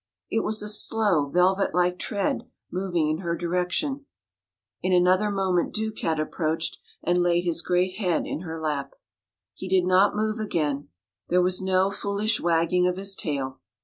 It was a slow velvet like tread moving in her direction. In another moment Duke had approached and laid his great head in her lap. He did not move again; there was no foolish wagging of his tail.